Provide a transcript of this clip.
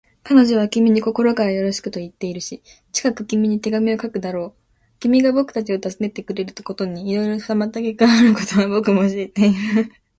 彼女は君に心からよろしくといっているし、近く君に手紙を書くだろう。君がぼくたちを訪ねてくれることにいろいろ妨げがあることは、ぼくも知っている。